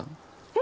え？